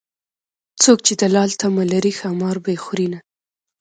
څوک چې د لال تمه لري ښامار به يې خورینه